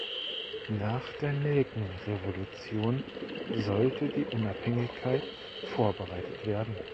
Nach der Nelkenrevolution sollte die Unabhängigkeit vorbereitet werden.